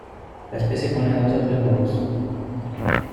La especie pone de dos a tres huevos.